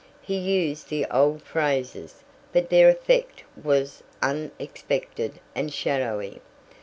He used the old phrases, but their effect was unexpected and shadowy.